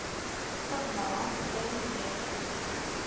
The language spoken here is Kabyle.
Ad merrɣent tlawin gar yirgazen.